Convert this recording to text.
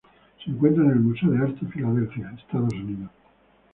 Se encuentra en el Museo de Arte, Filadelfia, Estados Unidos.